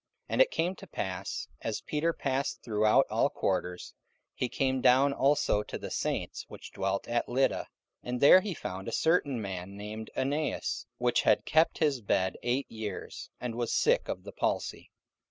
44:009:032 And it came to pass, as Peter passed throughout all quarters, he came down also to the saints which dwelt at Lydda. 44:009:033 And there he found a certain man named Aeneas, which had kept his bed eight years, and was sick of the palsy.